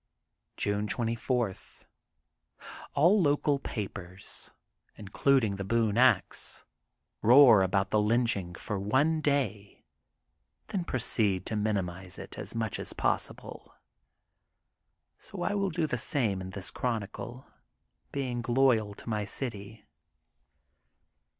June 24: — ^All local papers, including The Boone Ax, roar about the lynching for one day, then proceed to minimize it as much as possible. So I will do the same in this chron icle, being loyal to my city.